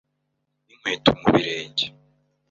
n’inkweto mu birenge.